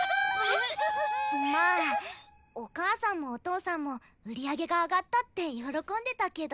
まあお母さんもお父さんも売り上げが上がったって喜んでたけど。